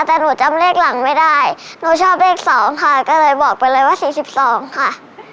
แต่หนูจำเลขหลังไม่ได้หนูชอบเลข๒ค่ะก็เลยบอกไปเลยว่า๔๒ค่ะ